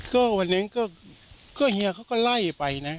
ก็วันนั้นก็เฮียเขาก็ไล่ไปนะ